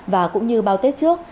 và cũng như bao tết trước